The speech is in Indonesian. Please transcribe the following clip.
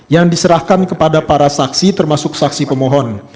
yang diserahkan kepada para saksi termasuk saksi pemohon